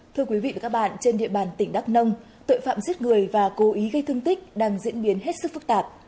thưa quý vị và các bạn trên địa bàn tỉnh đắk nông tội phạm giết người và cố ý gây thương tích đang diễn biến hết sức phức tạp